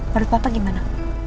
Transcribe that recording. menurut papa gimana